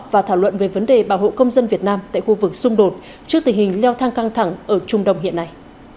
và thảo luận về vấn đề bảo hộ công dân việt nam tại khu vực xung đột trước tình hình leo thang căng thẳng ở trung đông hiện nay